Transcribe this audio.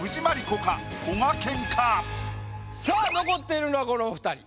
こがけんか？さあ残っているのはこのお二人。